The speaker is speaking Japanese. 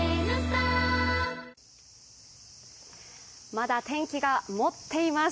まだ天気がもっています